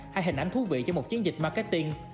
hai hình ảnh thú vị cho một chiến dịch marketing